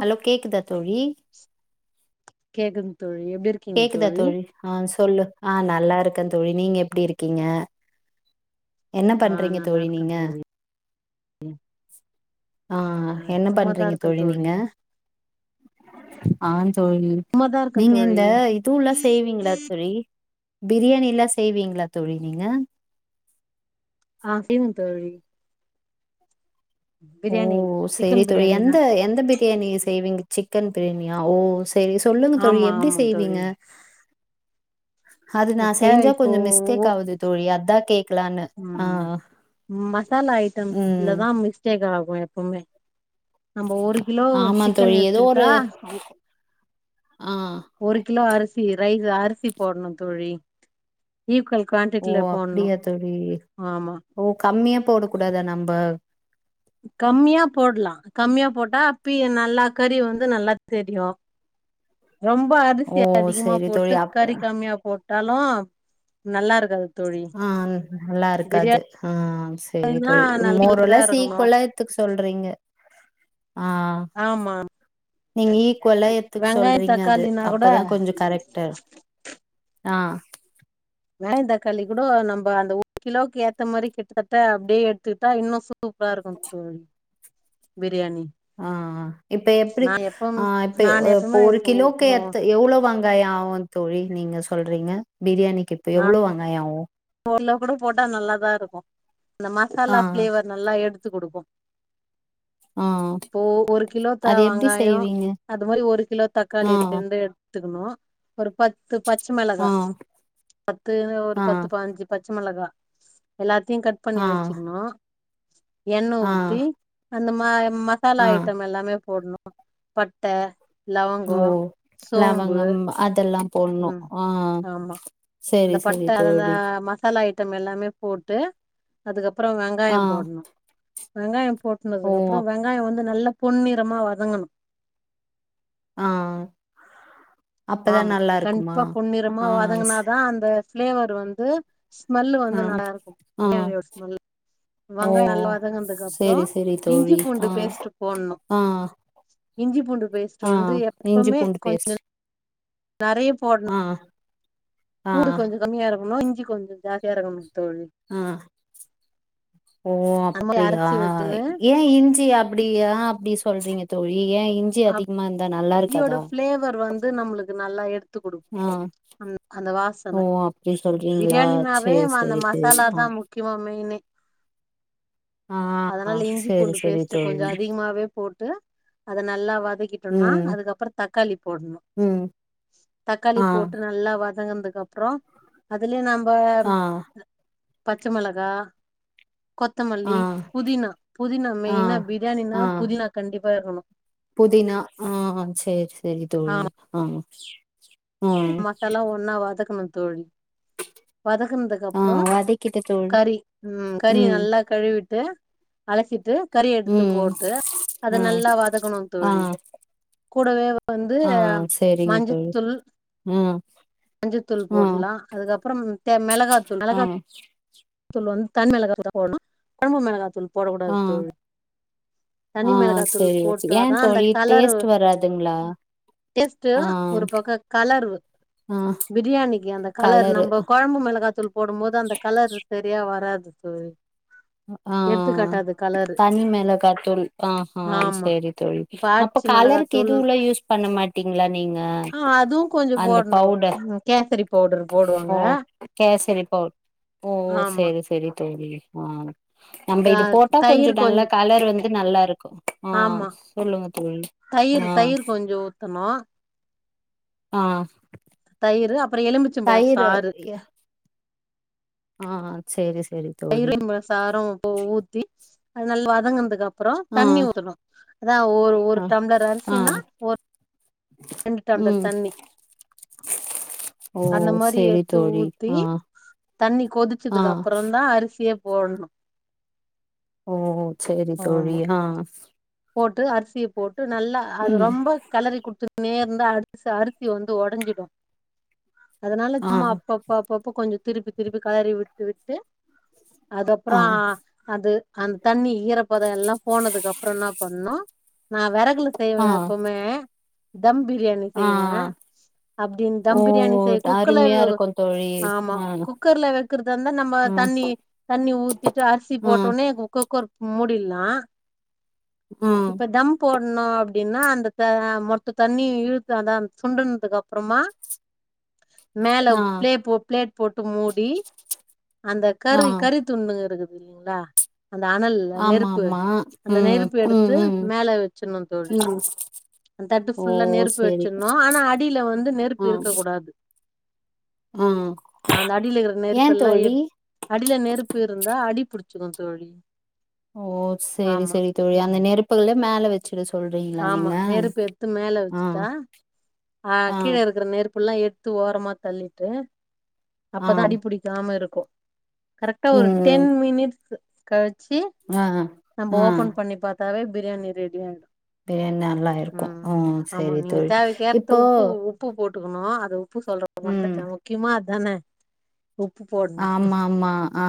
Hello கேக்குதா தோழி கேக்குது தோழி எப்டிருக் கேக்குதா தோழி அ சொல்லு அ நல்லாருக்க தோழி நீங்க எப்டி இருக்கீங்க என்ன ஆ பண்றீங்க நல்லா தோழி இருக்கே நீங்க அ ஆ என்ன சும்மாதா பண்றீங்க இருக்கே தோழி நீங்க ஆ தோழி ம்மா தா இருக்க தோழி இதுவ்ல்லா செய்வீங்ளா தோழி பிரியாணில்லா செய்வீங்ளா தோழி நீங்க ஆ செய்வ தோழி ஓ பிரியாணி செரி சிக்கன் தோழி பிரியாணினா எந்த எந்த பிரியாணி செய்விங்க சிக்கன் பிரியாணியா ஓ சேரி சொல்லுங்க தோழி ஆமா எப்டி ஆமா தோழி செய்வீங்க அது நா தேவ செய்ஞ்சா இப்போ கொஞ்சொ ஒ மிஸ்டேக் ஆவுது தோழி அத்தா கேக்கலான்னு ஆ ம் மசாலா ம் ஐட்டம்ஸ்லதா மிஸ் கேக்காகு எப்பொமே நம்ப ஒரு கிலோ ஆமா சிக்கன் தோழி எடுத்துக்கிட்டா ஒ அ ஒரு கிலோ அரிசி ரைஸ் அரிசி போட்ணு தோழி ஈக்குவல் ஓ குவான்டிட்டில போட்ணு அப்டியா தோழி ஆம்மா ஓ கம்மிய போடக்கூடாத நம்ப கம்மியா போட்லா கம்மியா போட்டா அப்பி நல்லா கறி வந்து நல்லா தெரியு ரொம்ப ஓ அரிசி அதிகமா சரி தோழி போட்டு அப் கறி கம்மியா போட் ட்டாலு நல்லாருக்காது ஆ நல்லாருக்காது ஆ செரி பிரியாணினா தோழி ம் மோர் ஆர் நல்லதா லெஸ் இருக்கணு சீக்வெல்ல த்துக் சொல்றீங்க அ ஆம்மாம் நீங்க ஈக்குவலா எத்துக் சொல்றீங்க அது தக்காளினா கூட அப்பதா கொஞ்சொ கரெக்டர் அ வேயந்தாக்காளி கூட நம்ப அந்த ஒரு கிலோவுக்கு ஏத்த மாரி கிட்டத்தட்ட அப்டி எட்த்துகிட்டா இன்னு சூப்பராருக்குந் தோழி பிரியாணி ஆ இப்ப எப்புடி நா எப்பம் ஆ இப்ப நான் ப்ப எப்பவுமே ஒரு இப்போ கிலோக்கு எத் எவ்வளோவாங் காய ஆவு தோழி நீங்க சொல்றீங்க பிரியாணிக்கு இப்ப எவ்ளோ வெங்காய ஆவு போல்ல கூட போட்டா நல்லாதாருக்கு அந்த ஆ மசாலா பிளேவர் நல்லா எடுத்து குடுக்கு அ ப்போ ஒரு கிலோ த வெங்காயொ செய்வீங்க அது மாரி ஒரு கிலோ தக்காளி ஆ இது ரெண்டு எடு எத்துக்கணும் ஒரு பத்து பச்சமிளகா ஆ பத்து ஒரு ஆ பத்து அஞ்சு பச்சமிளகா எல்லாத்தியுங் கட் பண்ணி ஆ வச்சிக்கிணு எண்ண ஆ ஊத்தி அந்த மா மசாலா ஆ ஐட்டம் எல்லாமே போட்ணு பட்ட லவங்கொ ஓ சோம்பு லவங்கம் அதெல்லா போட்ணு ம் அ செரி செரி தோழி மசால்லா ஐட்டம் எல்லாமே போட்டு அதுகப்ற வெங்காய ஆ போட்னு வெங்காயம் ஓ போட்டுனுதுக்கு அப்பற அப் வெங்காய வந்து நல்ல பொன்னிறமா வதங்கணு ஆ அப்பதா ஆம்மா நல்லா இருக்குமா கண்ப்பா பொன்னிறமா ஆ ஸ் வதங்கனாதா அந்த ப்ஃளேவர்வந்து ஸ்மெல்லு ஆ வந்து நல்லாருக்கும் ஆ பிரியாணியோட ஸ்மெல்லு ஓ வெங்காயொ நல்லா வதங்ககன்துக் அப்பற செரி செரி இஞ்சி தோழி ஆ பூண்டு பேஸ்ட் போட்ணு ஆ இஞ்சி பூண்டு பேஸ்ட் ஆ வந்து இஞ்சி எப்பமே பூண்டு பேஸ்ட் கொஞ்சொ நறைய போட்ணு ஆ ஆ பூடு கொஞ்சோ கம்மியா இருக்கணு இஞ்சி கொஞ்சோ ஜாஸ்தியா இருக்கணு தோழி ம் ஓ அந்த மாரி அப்டியா அரைச்சு வச்சுன்னு ஏ ஏ இஞ்சி அப்டியா அப்டி சொல்றீங்க தோழி ஏ இஞ்சி அதிகமா இருந்தா நல்லா இருக்காதா பிளேவர் வந்து நம்ளுக்கு நல்லா எடுத் து குடுக்கு ஆ அந் அந்த ஓ வாசன அப்டி சொல்றீங்களா பிரியாணினாவே சேரி ம அந்த செரி தோழி மசாலா ஆ தா முக் யமா மெயினே ஆ அதனால இஞ்சி சேரி பூண்டு சேரி பேஸ்ட்டு கொஞ்சோ தோழி அதிகமாவே போட்டு அத நல்லா வதக்கிட்டோன்னா ம் அப்றோ தக்காளி போட்ணு ம் தக்காளி ஆ போட்டு நல்லா வதங்குனதுக் அப் அப்றோ அதுலயே நம்ப ஆ பச்ச மெளகா ஆ கொத்தமல்லி புதினா புதினா ஆ மெயினா பிரியாணினா ஆ புதினா கண்டிப்பா இருக்கணு புதினா ஆ சரி சரி தோழி ஆமா ஆ ம் மசாலா ஒன்னா வதக்கணு தோழி வதக்னதுக்கு ஆ அப்றோ வதக்கிட்ட தோழி கறி ம் கறி நல்லா கழுவிட்டு அலசிட்டு கறி எடுத்து ம் போட்டு ஆ அத நல்லா வதக்கணு ஆ தோழி கூடவே வந்து ஆ சேரிங்க தோழி மஞ்சத் துள் ம் மஞ்சுத்தூள் ஆ போட்லா அதுக்கப்றோம் தெ மெளகாத்தூள் மெளகா [inaudible] தூள் வந்த் தன் மெளகா தூள் போட்ணு கொழம்பு மெளகா தூள் போட ஆ கூடாது தோழி ஆ தனி மெளகாத்தூள் சேரி ஓகே போட்டாதா ஏன் அந்த தோழி கலரு டேஸ்ட் வராதுங்களா டேஸ்ட்டு ஆ ஒரு பக்கோ கலரு ஆ பிரியாணிக்கு அந்த கலர் கலரு நம்ப கொழம்பு மெளகாத்தூள் போடும்போது அந்த கலரு சரியா வராது தோழி ஆ எடுத்துக்காட்டாது கலரு தனி மெளகாத்தூள் ஆஹா ஆமா செரி தோழி இப்ப அப்ப ஆச்சி கலருக்கு மிளகாத்தூள் இதுல யூஸ் பண்ண மாட்டீங்ளா நீங்க ஆ அதுவும் கொஞ்சம் அந்த போடணும் பவுடர் கேசரி பவுடர் போடுவாங்க ஓ கேசரி பவுட் ஓ ஆமா செரி செரி தோழி ஆ நம்ப க இது போட்டா கொஞ்சோ தயிர் கொஞ்ச நல்லா கலர் வந்து நல்லாருக்கு ஆ ஆமா சொல்லுங்க தோழி தயிர் ஆ தயிர் கொஞ்சோ ஊத்தணு ஆ தயிரு அப்ற எலுமிச் தயிரு யா ஆ செரி சரி தயிரு [inaudible] சாறு ஊத்தி அது நல் [inaudible] வதங்குனதுகப் ப்றோ ஆ தண்ணி ஊத்தணு அதா ஒர் ஒரு ஆ டம்ளர் ஆ அரிசினா ரெண்டு டம்ளர் ம் தண்ணி ஓ அந்த மாரி சேரி எத்து தோழி ஊத்தி ஆ தண்ணி ஆ கொதிச்சதுக்கு அப்புறந் தா அரிசியே போட்ணு ஓ செரி தோழி ஆமா ஹா போட்டு அரிசிய போட்டு நல்லா அது ம் ரொம்ப கெலறி குடுத்துனே இருந்தா அரிசி அரிசி வந்து ஒடைஞ்சிடு அதுனால ஆ சும்மா அப்ப அப் பப்பப்போ கொஞ்சோ திருப்பி திருப்பி கெளறி விட்டு விட்டு அது ஆ அப்றோ அது அந் தண்ணி ஈரப்பதோ எல்லா போனதுக்கு அப்றோ என்னா பண்ணோ நா வெறகுல செய்வே ஆ எப்பமே தம் பிரியாணி ஆ செய்வே அப்டின் தம் ஓ பிரியாணி செய் அருமையா குக்குலரு இருக்கு தோழி ஆமா ஆ குக்கர்ல வச் க்றதா இந்தா நம்ம ம் தண்ணி தண்ணி ஊத்திட்டு அரிசி ம் போட்டோனே குக் குக்கர் முடில்லா ம் இப்ப தம் போட்ணு அப்பிடின்னா அந்த மொத்த தண்ணி இழுத்து அத சுண்டனுதுக் அப்பறமா மேல ஆ பிளே போ பிளேட் போட்டு மூடி அந்த ஆ கறி கறித் துண்டுங்க இருக்குது இல்லீங்ளா அந்த அனல் ஆமா நெருப்பு ஆமா அந்த ம் நெருப் ம் பெடுத்து ம் மேல வச்சணு தோழி ம் அந்த தட்டு ஓ ஃபுல்லா நெருப்பு செரி வச்சிணு ஆனா அடில வந்து நெருப்பு ஆ இருக்க கூடா து ஆ அந்த அடில இருக்கிற ஏ நெருப்பெல்லா தோழி எடு அடில நெருப்பு இருந்தா அடி புடுச்சுக்கு தோழி ஓ சேரி ஆமா சேரி தோழி அந்த ம் நெருப்புகள மேல வச்சுடு சொல்றீங் ஆமா நெருப்பு எட்த்து மேல வச்சுட்டா ஆ கீழ இருக்கிற நெருப்பு எல்லா எத் து ஓரமா தள்ளிட்டு ஆ அப்பதா அடி புடிக்காம இருக்கு கரெக்டா ஒரு ம் டென் மினிட்ஸ்சு கழிச்சி ஆ நம்ம ஆ ஓபன் பண்ணி பாத் தாவே பிரியாணி ரெடி ஆயிடு பிரியாணி நல்லா இருக்கு ம் ஆமா செரி நீங்க தோழி தேவைக்கேத்த இப்போ உப்பு உப்பு போட்டுக்கணு அது உப்பு சொல்ற ம் மறந்துட்டே முக்கியமா அதானே உப்பு போட் ஆமா ஆமா ஆ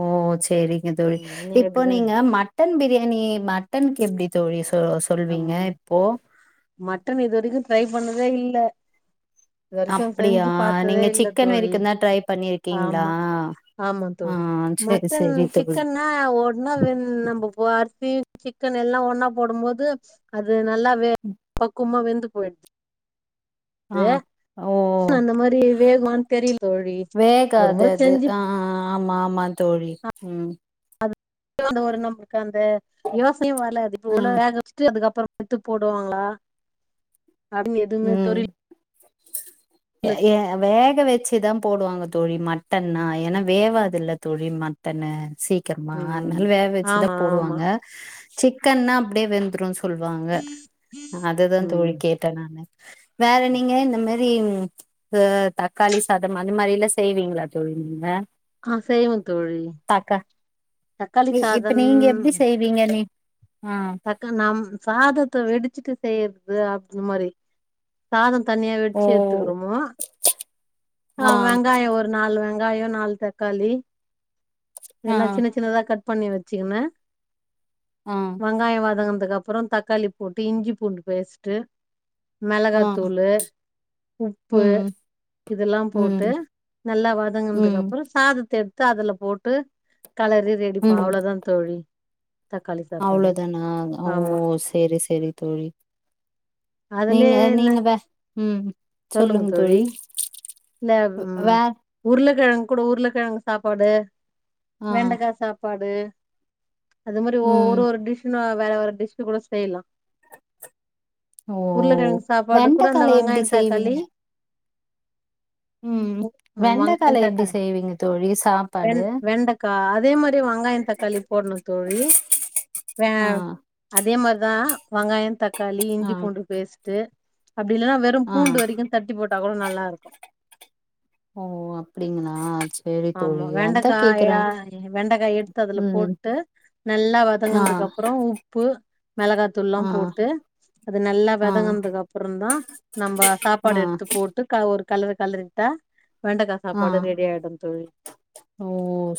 ஓ செரிங்க தோழி ம் எப்டி இப்ப நீங்க மட் மட்டன் பிரியாணி மட்டனுக்கு எப்டி தோழி சோ சொல்வீங்க இப்போ மட்டன் இது வரைக்கு ட்ரை பண்ணதே இல்ல இதுவரைக்கு அப்டியா செஞ்சு பாத்ததே நீங்க இல்ல சிக்கன் தோழி வரைக்குந்தா ட்ரை பண்ணிருக்கீங்களா? ஆமா ஆமா ஆ தோழி செரி மட்டன் செரி தோழி சிக்கன்னா ஆ ஒட்னா வெந் நம்ம அரிசி சிக்கன் எல்லா ஒன்னா போடும் போது அது நல்லா வே பக்குவமா வெந்து போயிடுது ஆ ஓ அந்த மாரி வேகுமான்னு தெரியல தோழி ஒரு வேகாது முறை அது செஞ்சு ஆ ஆமா ஆமா தோழி ம் [unintelligible] ஒரு நம்மளுக்கு அந்த யோசனையே வர்ல பாத் இப்ப ஆ உல வேக வச்சுட்டு அதுக்கப்பறமா எத்து போடுவாங்ளா அது எதுமே ம் தெரி ஏ வேக வச்சுதாப் போடுவாங்க தோழி மட்டன்னா ஏனா வேவாதுல தோழி மட்டன்னு சீக் க்கிரமா ம் அத்னால வேக வச்சுதா ஆமா ஆமா போடுவாங்க சிக்கன்னா அப்டியே வெந்துரூ சொல்வாங்க அதுதா தோழி ம் கேட்ட நானு வேற நீங்க இந்த மாரி து தக்காளி சாதம் அது மாரிலா செய்வீங்களா தோழி நீங்க அ செய்வந் தோழி தாக்கா தக்காளி இ இப்ப சாதம் நீங்க எப்டி செய்வீங்க நீ அ க நம் சாதத்த வெடிச்சுட்டு செய்றது அப் அந் மாரி சாதோ தன்னியா ஓ வெடிச்சு எத்துக்கிறோமோ ஆ அ வெங்காயோ ஒரு நாலு வெங்காயோ நாலு தக்காளி ஆ இதெல்லா சின்னசின் சின்ன சின்னதா கட் பண்ணி வச்சிங்னா ஆ வெங்காய வதங்கனத்துக்கப்பற தக்காளி போட்டு இஞ்சி பூண்டு பேஸ்ட்டு ஆ மெளகாத்தூளு உப்பு ம் இதெல்லா ம் போட்டு நல்லா ம் வதங்குனதுக்கப்பற சாதத்த எத் து அதுல போட்டு களறி ரெடிப்ப ம் அவளதாந்தோழி அவ்ளோதானா ஆ ஓ ஆமா சேரி சேரி தோழி நீங்க அதுலயே என்ன நீங்க வே ம் சொல்லுங்க தோழி இல்ல ம் வே உருளக்கெழங்கு கூட உருளக்கெழங்கு சாப்பாடு ஆ வெண்டக்கா சாப் பாடு அது மாரி ஒ ம் ஒரு ஒரு டிஷ்னா வேற வேற டிஷ்ஷு கூட செய்லா ஓ உருளக்கெழங்கு சாப்பாடுக்கூட அந்த வெண்டக்கால எப்டி வெங்காயந் செய்வீங்க தக்காளி ம் ம் வங்காயந் வெண்டைக்கால எப்டி தக்காளி செய்வீங்க தோழி சாப்பாடு? வெண் வெண்டக்கா அதே மாரி வங்காயந் தக்காளி போடுணு தோழி வே ஆ அதே மாரிதா வங்காயந் தக்காளி ஆ இஞ்சி பூண்டு பேஸ்ட்டு அப்டில்லனா வெறு ஆ பூண்டு வரைக்கு தட்டி போட்டா கூட நல்லாருக் ஓ ஓ அப்டிங்களா சேரி ஆமா தோழி அதா கேக்குறே வெண்டக்காயா வெண்டக்கா எத்து அதுல ம் போட்டு நல்லா ஆ வதங்குனதுக்கப் அப்புறோ உப்பு மெளகாத்தூள்லா ஆ போட்டு அது நல்லா ஆ வதங்குனதுக்கப்பறந்தா நம்ப ஆ சாப்பாடு எடுத்து போட்டு கா ஒரு கலறு கலறிட்டா வெண்டக்கா ஆ சாப்பாடு ரெடியாயிடுந்தோழி ஓ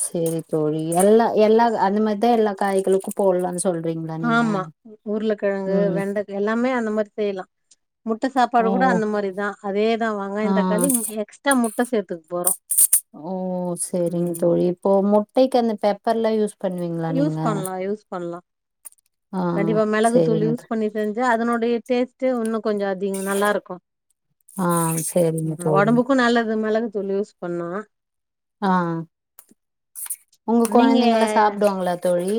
சேரி தோழி எல்லா எல்லா அந்த மாரித்தா எல்லா காய்களுக்கு போட்லானு ஆமா உருளக்கெழங்கு ம் வெண்டக் எல்லாமே அந்தமார் செய்லா முட்ட சாப்பாடு ஓ கூட அந்த மாரிதா அதேதா ஆ வங்காயந் தக்காளி எக்ஸ்ட்டா முட்ட சேத்துக்க போறோ ஓ சேரிங்க ம் தோழி இப்போ முட்டைக்கி அந்த பெப்பர்லா யூஸ் பண்ணுவீங்களா யூஸ் நீங்க? பண்லா யூஸ் பண்லா ஆ கண்டிப்பா மெளகு தூளு சேரிங்க தோ யூஸ் பண்ணி செஞ்சு அதனுடைய டேஸ்ட்டே உன்னு கொஞ்சோ அதிகோ நல்லாருக்கு ஆ சேரிங்க தோழி ஒடம்புக்கு நல்லது மெளகு தூளு பண்ணு ஆ ஒங்க நீங்க கொழந்தைங்கல்லா சாப்டுவாங்களா தோழி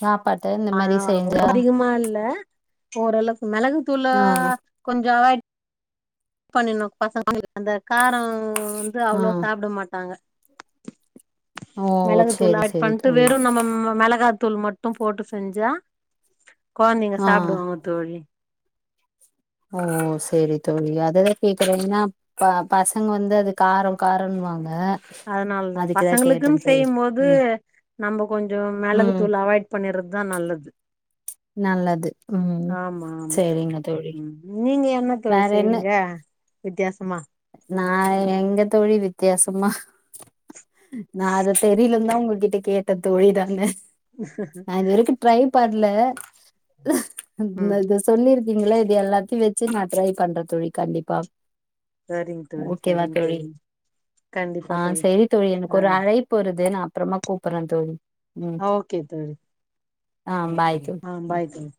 சாப்பாட்ட இந்த அ மாரி அவ்ளோ செஞ்சா அதிகமால்ல ஓரளவு மெளகுத்தூள ஆ கொஞ்சோ அவாய்ட் பண்ணுனு பசங்க [unintelligible] அந்த காரம் வந்து ஆ அவ்ளோ சாப்ட மாட்டாங்க ஓ மெளகுத்தூள சேரி கட் சேரி பண்ட்டு தோழி வெறும் நம்ம மெ மெளகாத்தூள் மட்டு போட்டு செஞ்சா கொழந்தைங்க ஆ சாப்டுவாங்க தோழி ஓ செரி தோழி அதுதா கேக்குற என்னா ப பசங்க வந்து அது காரோ காரன்வாங்க அதுனாலதா பசங்களுக்குனு செய்யும்போது ம் நம்போ கொஞ்சோ ம் மெளகுத்தூள அவாய்ட் பண்ணிடறத்தா நல்லது நல்லது ம் ஆமா ஆமா செரிங்க தோழி ம் நீங்க என்ன தோழி வேற என்ன செய்ரீங்க வித்தியாசமா நா எங்க தோழி வித்தியாசம்மா நா அத செரிலன் தா ஒங்ககிட்ட கேட்ட தோழி தான நா இன்யவரைக்கு ட்ரை பன்ல ம் சொல்லிருக்கீங்கள இது எல்லாத்தையு வச்சு நா ட்ரை பண்ற தோழி கண்டிப்பா சரிங்க தோழி ஓகேவா சரிங்க தோழி ஆ சரி தோழி எனக்கு ஒரு ஆ அழைப் பு வருது நா அப்றமா கூப்பிட்றே தோழி ம் ஓகே தோழி ஆ பாய் தோழி [unintelligible] ஆ பாய் தோழி